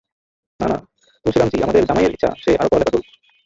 না, না, তুলসিরাম জি আমাদের জামাইয়ের ইচ্ছা সে আরও পড়ালেখা করুক।